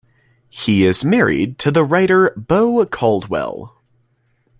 He is married to the writer Bo Caldwell.